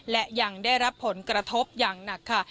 และยังได้รับผลกระทบอย่างหนักค่ะ